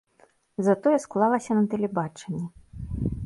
Затое склалася на тэлебачанні.